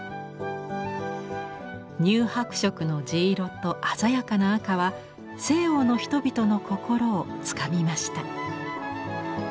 乳白色の地色と鮮やかな赤は西欧の人々の心をつかみました。